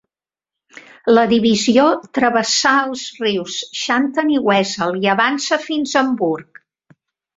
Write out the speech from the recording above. La divisió travessà els rius Xanten i Wesel i avança fins a Hamburg.